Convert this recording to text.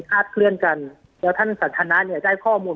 ปากกับภาคภูมิ